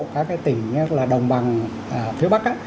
các tỉnh đồng bằng phía bắc